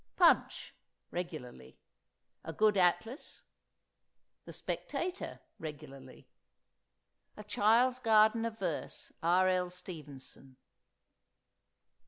"Punch" (regularly). A good Atlas. "The Spectator" (regularly). "A Child's Garden of Verse." R. L. Stevenson.